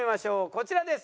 こちらです。